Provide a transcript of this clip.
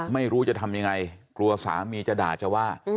ไม่รู้จะทำยังไงกลัวสามีจะด่าจะว่า